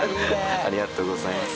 ありがとうございます。